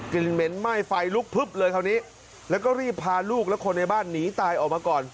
เหม็นไหม้ไฟลุกพึบเลยคราวนี้แล้วก็รีบพาลูกและคนในบ้านหนีตายออกมาก่อน